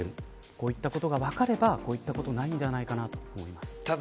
こういったことが分かればこういったことはないと思います。